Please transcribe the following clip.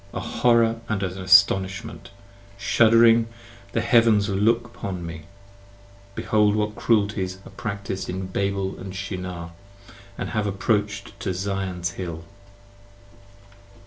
a horror and an astonishment Shudd'ring the heavens to look upon me: Behold what cruelties 20 Are practised in Babel & Shinar, & have approach'd to Zion's Hill.